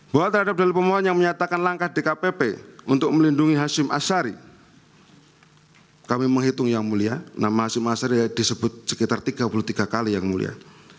bahwa terhadap dalil pemohon yang menyatakan langkah dkpp untuk melindungi hashim ashari kami menghitung yang mulia nama hashim ashari disebut sekitar tiga puluh tiga kali yang mulia